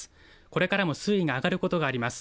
これからも水位が上がることがあります。